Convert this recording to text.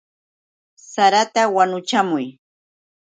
¡Sarata wanuchamuy!